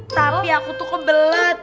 tapi aku tuh kebelet